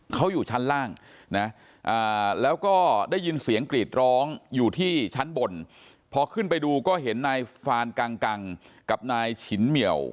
เขาอยู่ชั้นล่างนะแล้วก็ได้ยินเสียงกรีดร้องอยู่ที่ชั้นบนพอขึ้นไปดูก็เห็นนายฟานกังกับนายฉินเหมียว